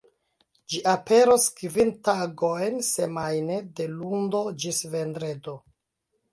Ĝi aperos kvin tagojn semajne, de lundo ĝis vendredo.